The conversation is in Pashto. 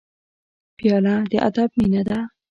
پیاله د ادب مینه ده.